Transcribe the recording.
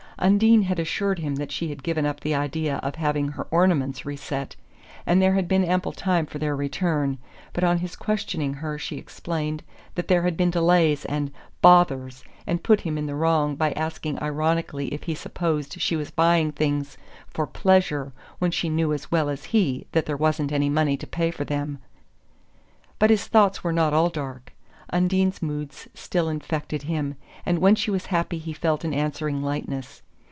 Undine had assured him that she had given up the idea of having her ornaments reset, and there had been ample time for their return; but on his questioning her she explained that there had been delays and "bothers" and put him in the wrong by asking ironically if he supposed she was buying things "for pleasure" when she knew as well as he that there wasn't any money to pay for them. But his thoughts were not all dark. Undine's moods still infected him, and when she was happy he felt an answering lightness.